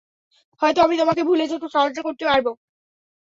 হয়তো আমি তোমাকে ভুলে যেতে সাহায্য করতে পারব।